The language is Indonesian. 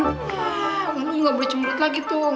enggak lo gak boleh cemburu lagi tuh